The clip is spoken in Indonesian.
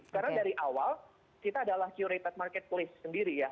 karena dari awal kita adalah curated market place sendiri ya